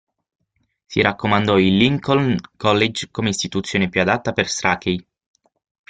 Si raccomandò il Lincoln College come istituzione più adatta per Strachey.